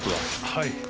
はい。